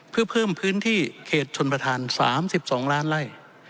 เพื่อเพิ่มพื้นที่เขตชนประธาน๓๒ล้านไล่